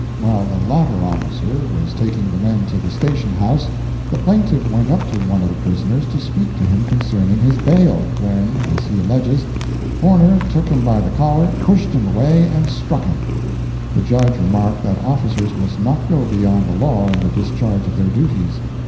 While the latter officer was taking the men to the Station house, the plaintiff went up to one of the prisoners to speak to him concerning his bail, when, as he alleges, Forner took him by the collar, pushed him away, and struck him. The Judge remarked that officers must not go beyond the law in the discharge of their duties.